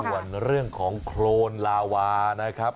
ส่วนเรื่องของโครนลาวานะครับ